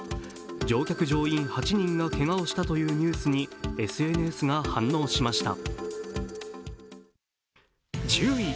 乗客・乗員８人がけがをしたというニュースにＳＮＳが反応しました。